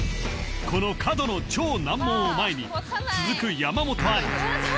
この角の超難問を前に続く山本アナ